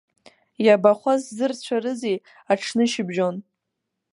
Иабахәа, сзырцәарызеи аҽнышьыбжьон.